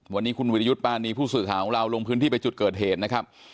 วันนี้คุณวิรยุทธ์ปานีผู้สื่อข่าวของเราลงพื้นที่ไปจุดเกิดเหตุนะครับ